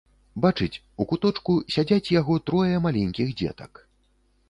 бачыць, у куточку сядзяць яго трое маленькiх дзетак...